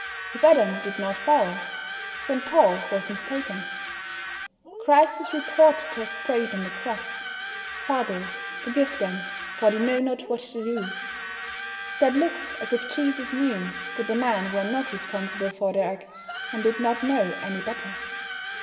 If Adam did not fall St. Paul was mistaken. Christ is reported to have prayed on the cross, "Father, forgive them, for they know not what they do." That looks as if Jesus knew that the men were not responsible for their acts, and did not know any better.